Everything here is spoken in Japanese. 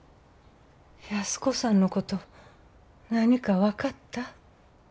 安子さんのこと何か分かった？